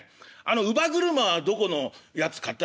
「乳母車はどこのやつ買ったらいいんだ？」